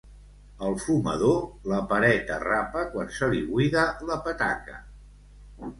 El fumador, la paret arrapa quan se li buida la petaca.